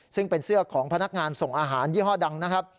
ซึ่งเป็นเสื้อของพนักงานส่งอาหารยี่ห้อดังนะครับ